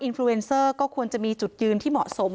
ฟรีเวนเซอร์ก็ควรจะมีจุดยืนที่เหมาะสม